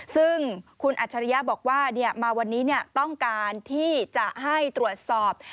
ซึ่งคุณอัจฉริยะบอกว่ามาวันนี้ต้องการที่จะให้ตรวจสอบ